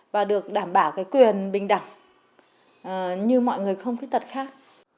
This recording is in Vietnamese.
và được đảm bảo cái quyền bình đẳng như mọi người không khuyết tật khác